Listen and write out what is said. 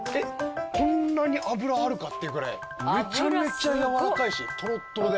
こんなに脂あるかっていうぐらいめちゃめちゃやわらかいしトロットロで。